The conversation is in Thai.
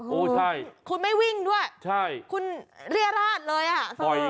โอ้ใช่คุณไม่วิ่งด้วยใช่คุณเรียราชเลยอ่ะ